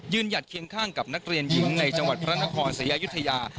หยัดเคียงข้างกับนักเรียนหญิงในจังหวัดพระนครศรีอยุธยา